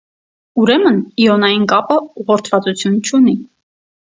Ուրեմն իոնային կապը ուղղորդվածություն չունի։